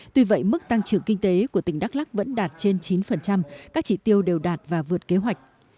tuy vậy mức tăng trưởng kinh tế của tỉnh đắk lắc vẫn đạt trên chín các chỉ tiêu đều đạt và vượt kế hoạch